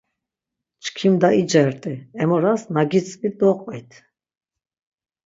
Çkimda icerti, emoras na gitzvi doqvit.